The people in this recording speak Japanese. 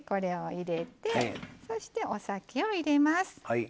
そして、お酒を入れます。